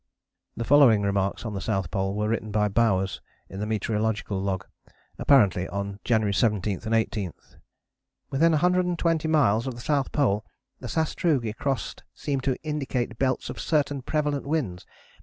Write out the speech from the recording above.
" The following remarks on the South Pole area were written by Bowers in the Meteorological Log, apparently on January 17 and 18: "Within 120 miles of the South Pole the sastrugi crossed seem to indicate belts of certain prevalent winds.